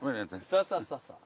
そうそうそうそう。